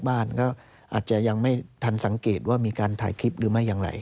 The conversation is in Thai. บ้านก็อาจจะยังไม่ทันสังเกตว่ามีการถ่ายคลิปหรือไม่อย่างไร